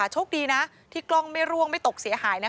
โชคดีนะที่กล้องไม่ร่วงไม่ตกเสียหาย